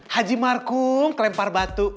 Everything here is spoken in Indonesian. haji markung kelempar batu